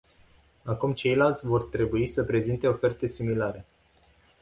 Acum ceilalți vor trebui să prezinte oferte similare.